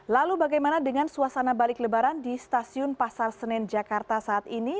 lalu bagaimana dengan suasana balik lebaran di stasiun pasar senen jakarta saat ini